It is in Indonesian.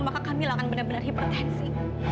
maka kami akan benar benar hipertensi